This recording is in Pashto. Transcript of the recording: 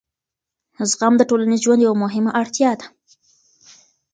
زغم د ټولنیز ژوند یوه مهمه اړتیا ده.